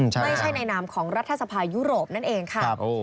ไม่ใช่ในนามของรัฐสภายุโรปนั่นเองค่ะ